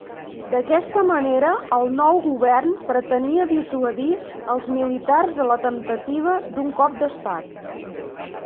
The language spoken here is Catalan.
D'aquesta manera, el nou govern pretenia dissuadir els militars de la temptativa d'un cop d'estat.